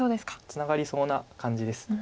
ツナがりそうな感じです。